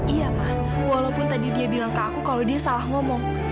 iya mah walaupun tadi dia bilang ke aku kalau dia salah ngomong